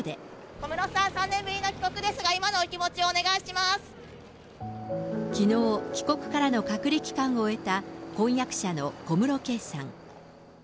小室さん、３年ぶりの帰国ですが、きのう、帰国からの隔離期間を終えた、婚約者の小室圭さん。